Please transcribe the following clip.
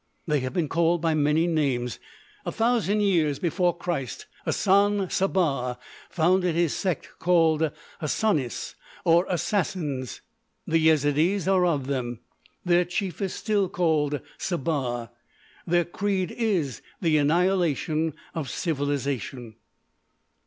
"They have been called by many names. A thousand years before Christ Hassan Sabbah founded his sect called Hassanis or Assassins. The Yezidees are of them. Their Chief is still called Sabbah; their creed is the annihilation of civilisation!"